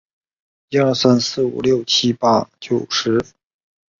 紫萝兰芋螺为芋螺科芋螺属下的一个种。